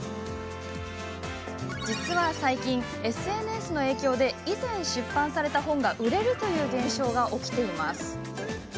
実は最近、ＳＮＳの影響で以前、出版された本が売れるという現象が起きています。